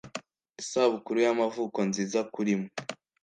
Isabukuru y'amavuko nziza kuri mwe